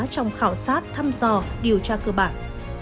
trong khảo sát thăm dò điều tra cơ bản